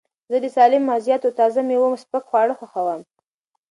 زه د سالمو مغزیاتو او تازه مېوو سپک خواړه خوښوم.